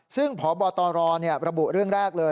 ซึ่งพบตรระบุเรื่องแรกเลย